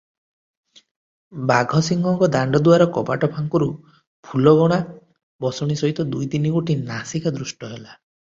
ବାଘସିଂହଙ୍କ ଦାଣ୍ତଦୁଆର କବାଟ ଫାଙ୍କରୁ ଫୁଲଗୁଣା ବସଣି ସହିତ ଦୁଇ ତିନିଗୋଟି ନାସିକା ଦୃଷ୍ଟ ହେଲା ।